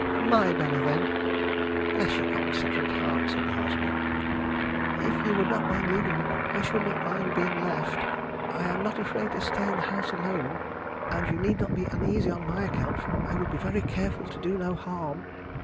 "My Bella, then." "Bless your considerate heart!" said the housemaid. "If you would not mind leaving me, I should not mind being left. I am not afraid to stay in the house alone. And you need not be uneasy on my account, for I would be very careful to do no harm."